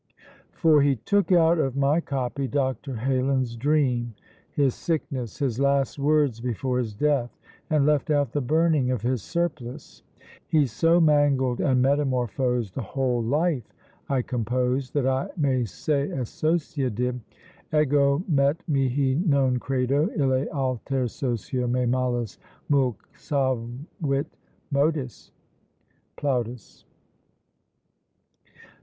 For he took out of my copy Dr. Heylin's dream, his sickness, his last words before his death, and left out the burning of his surplice. He so mangled and metamorphosed the whole Life I composed, that I may say as Sosia did, Egomet mihi non credo, ille alter Sosia me malis mulcavit modis PLAUT." Dr.